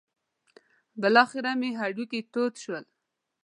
بالاخره مې هډوکي تود شول.